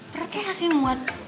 perutnya gak sih muat